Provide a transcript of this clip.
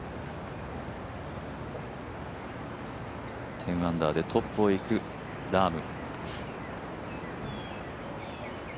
１０アンダーでトップをいくラーム。